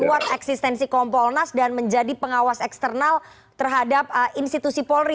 membuat eksistensi kompolnas dan menjadi pengawas eksternal terhadap institusi polri